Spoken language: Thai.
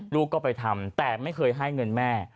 ลูกก็ไปทำแต่ไม่เคยให้เงินแม่